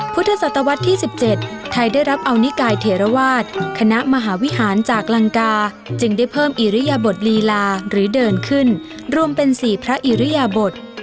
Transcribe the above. พุทธศตวรรษที่๑๗ไทยได้รับเอานิกายเถระวาสคณะมหาวิหารจากลังกาจึงได้เพิ่มอิริยบทลีลาหรือเดินขึ้นรวมเป็น๔พระอิริยบท